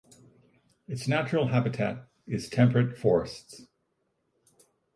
Its natural habitat is temperate forests.